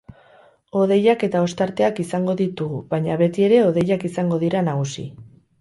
Hodeiak eta ostarteak izango ditugu, baina beti ere hodeiak izango dira nagusi.